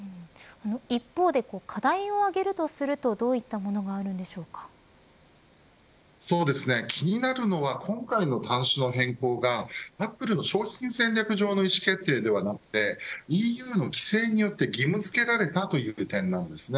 一方で課題を挙げるとするとどういったものが気になるのは今回の端子の変更がアップルの商品戦略上の意思決定ではなくてＥＵの規制によって義務付けられたという点です。